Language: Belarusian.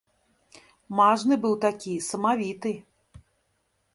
Мажны быў такі, самавіты.